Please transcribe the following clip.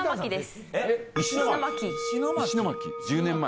１０年前。